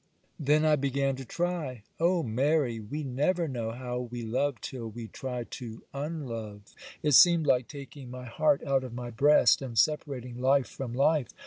'Then I began to try. Oh, Mary! we never know how we love till we try to unlove; it seemed like taking my heart out of my breast, and separating life from life.